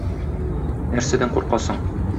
Нәрсәдән куркасың?